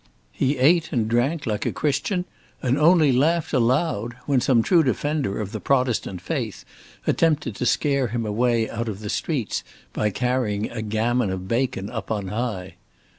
He ate and drank like a Christian, and only laughed aloud when some true defender of the Protestant faith attempted to scare him away out of the streets by carrying a gammon of bacon up on high.